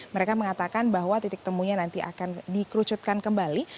mereka mengatakan bahwa titik temunya nanti akan dikerucutkan kembali